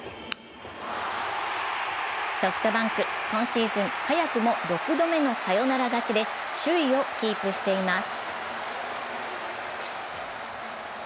ソフトバンク、今シーズン早くも６度目のサヨナラ勝ちで首位をキープしています。